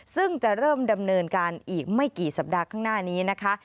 ซึ่งจะเริ่มดำเนินการอีกไม่กี่สัปดาห์ข้างหน้านี้นะคะ